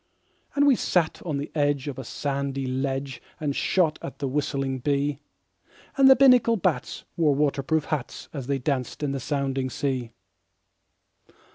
And we sat on the edge of a sandy ledge And shot at the whistling bee; And the Binnacle bats wore water proof hats As they danced in the sounding sea.